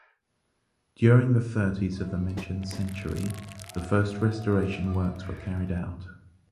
During the thirties of the mentioned century the first restauration works were carried out.